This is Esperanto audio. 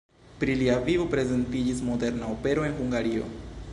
Pri lia vivo prezentiĝis moderna opero en Hungario.